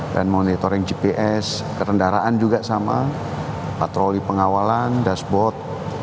dan monitoring gps kendaraan juga sama patroli pengawalan dashboard